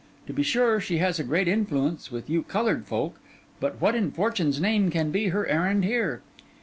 To be sure, she has a great influence with you coloured folk. But what in fortune's name can be her errand here?